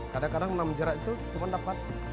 kadang kadang enam jerat itu cuma dapat satu enam itu kan